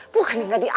bukannya gak diangkat